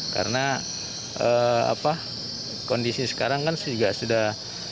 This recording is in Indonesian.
karena kondisi sekarang kan sudah sedang